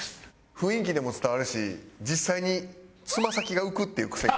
雰囲気でも伝わるし実際につま先が浮くっていう癖が。